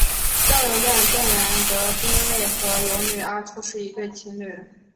酱油店的店员德兵卫和游女阿初是一对情侣。